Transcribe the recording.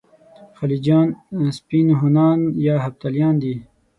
خلجیان سپین هونان یا هفتالیان دي.